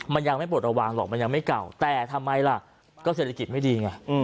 มันยังไม่ปลดระวังหรอกมันยังไม่เก่าแต่ทำไมล่ะก็เศรษฐกิจไม่ดีไง